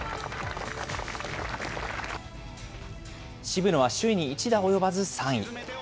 渋野は首位に１打及ばず３位。